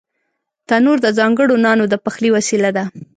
تنور د ځانگړو نانو د پخلي وسیله ده